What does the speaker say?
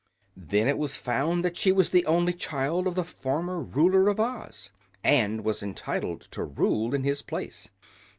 Then it was found that she was the only child of the former Ruler of Oz, and was entitled to rule in his place.